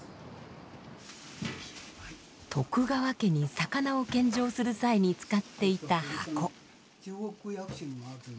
徳川家に魚を献上する際に使っていた箱。